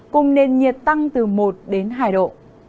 cùng nền nhiệt tăng từ một hai độ